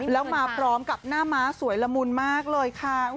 แล้วมาพร้อมกับหน้าม้าสวยละมุนมากเลยค่ะ